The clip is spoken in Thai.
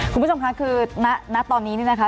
คุณผู้ชมค่ะคือณตอนนี้เนี่ยนะคะ